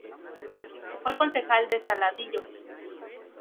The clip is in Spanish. Fue concejal de Saladillo.